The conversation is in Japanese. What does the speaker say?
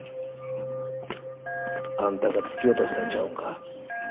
あんたが突き落としたんちゃうんか？